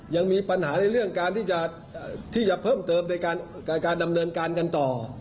ยังมีปัญหาในเรื่องการที่จะเพิ่มเติมในการดำเนินการกันต่อ